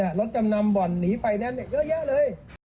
รถจำนำบ่อนหนีไฟแนนซ์เยอะแยะเลย